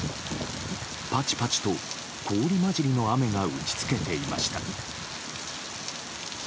パチパチと氷交じりの雨が打ち付けていました。